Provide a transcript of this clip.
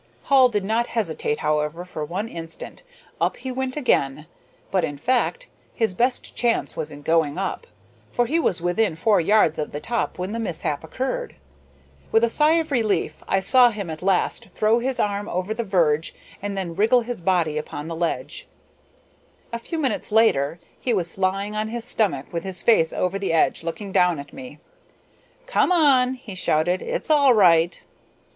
Hall did not hesitate, however, for one instant. Up he went again. But, in fact, his best chance was in going up, for he was within four yards of the top when the mishap occurred. With a sigh of relief I saw him at last throw his arm over the verge and then wriggle his body upon the ledge. A few seconds later he was lying on his stomach, with his face over the edge, looking down at me. "Come on!" he shouted. "It's all right."